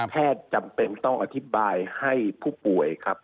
จำเป็นต้องอธิบายให้ผู้ป่วยครับ